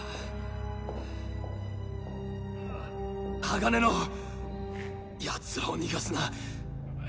ハガネのヤツらを逃がすな